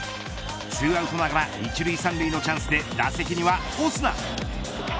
２アウトながら１塁３塁のチャンスで打席にはオスナ。